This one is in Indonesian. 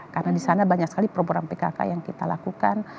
karena di sana banyak sekali program pkk yang kita lakukan